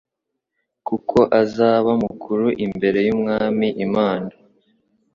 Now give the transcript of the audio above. Kuko azaba mukuru imbere y'Umwami Imana.